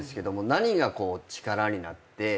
何が力になって。